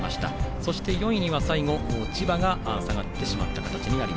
そして、４位には最後千葉が下がってしまった形と。